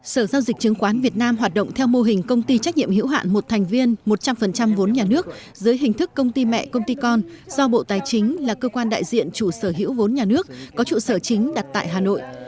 sở giao dịch chứng khoán việt nam hoạt động theo mô hình công ty trách nhiệm hữu hạn một thành viên một trăm linh vốn nhà nước dưới hình thức công ty mẹ công ty con do bộ tài chính là cơ quan đại diện chủ sở hữu vốn nhà nước có trụ sở chính đặt tại hà nội